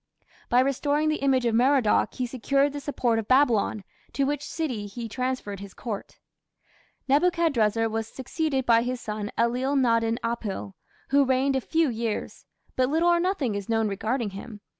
By restoring the image of Merodach he secured the support of Babylon, to which city he transferred his Court. Nebuchadrezzar was succeeded by his son Ellil nadin apil, who reigned a few years; but little or nothing is known regarding him.